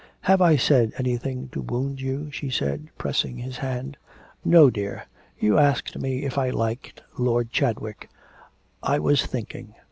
'Have I said anything to wound you?' she said, pressing his hand. 'No, dear. You asked me if I liked Lord Chadwick. I was thinking.